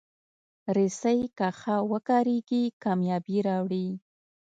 رسۍ که ښه وکارېږي، کامیابي راوړي.